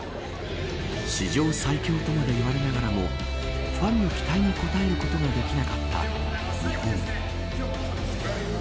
史上最強とまで言われながらもファンの期待に応えることができなかった日本。